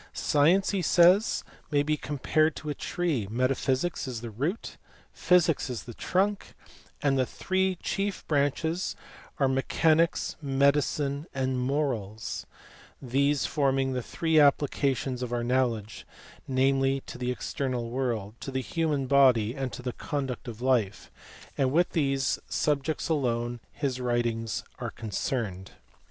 Science, he says, may be compared to a tree, metaphysics is the root, physics is the trunk, and the three chief branches are me chanics, medicine, and moi*als, these forming the three applica tions of our knowledge, namely, to the external world, to the human body, and to the conduct of life : and with these sub jects alone his writings are concerned.